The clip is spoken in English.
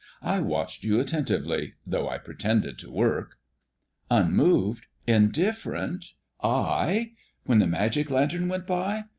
I watched you attentively, though I pretended to work." "Unmoved? Indifferent? I? When the magic lantern went by!